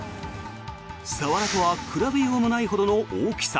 サワラとは比べようのないほどの大きさ。